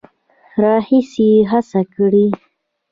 راهیسې هڅه کړې